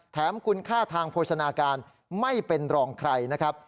แถมคุณค่าทางโภชนาการไม่เป็นรองใครนะครับ